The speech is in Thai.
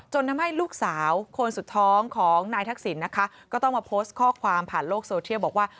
ทำให้ลูกสาวคนสุดท้องของนายทักษิณนะคะก็ต้องมาโพสต์ข้อความผ่านโลกโซเทียลบอกว่า